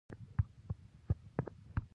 شاه جهان د ډیلي سور کلا جوړه کړه.